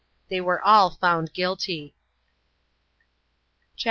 They were all found guilty. CHAP.